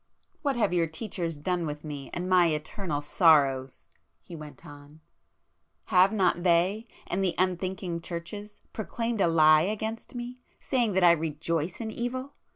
"What have your teachers done with me and my eternal sorrows?" he went on—"Have not they, and the unthinking churches, proclaimed a lie against me, saying that I rejoice in evil?